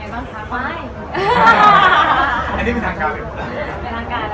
ไปทางการนะครัวท่านกอ